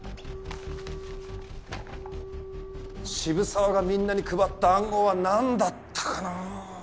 澁澤がみんなに配った暗号は何だったかなぁ？